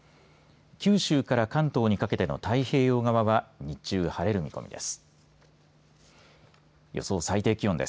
九州から関東にかけての太平洋側は日中晴れる見込みです。